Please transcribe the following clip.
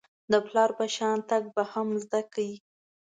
د پلار په شان تګ به هم زده کړئ .